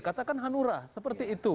katakan hanura seperti itu